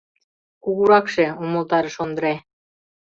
Кугуракше, — умылтарыш Ондре.